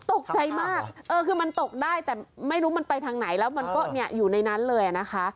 ตกใจมากเออคือมันตกได้แต่ไม่รู้มันไปทางไหนแล้วมันก็อยู่ในนั้นเลยนะคะ